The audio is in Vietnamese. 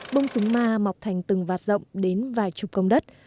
bông súng ma mọc thành từng vạt rộng đến vài chục công đất